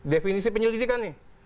definisi penyelidikan nih